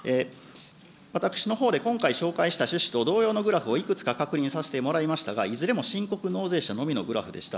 私のほうで今回紹介した趣旨と同様のグラフをいくつか確認させてもらいましたが、いずれも申告納税者のみのグラフでした。